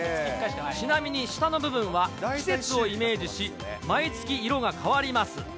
ちなみに下の部分は季節をイメージし、毎月色が変わります。